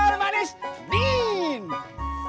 cendol manis dingin